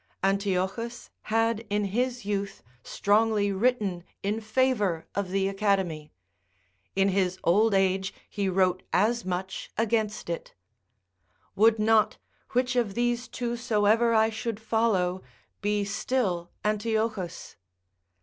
Antiochus had in his youth strongly written in favour of the Academy; in his old age he wrote as much against it; would not, which of these two soever I should follow, be still Antiochus?